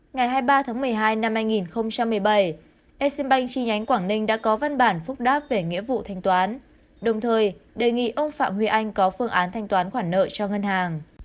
ngày hai mươi ba tháng một mươi hai năm hai nghìn một mươi bảy exim bank chi nhánh quảng ninh đã có văn bản phúc đáp về nghĩa vụ thanh toán đồng thời đề nghị ông phạm huy anh có phương án thanh toán khoản nợ cho ngân hàng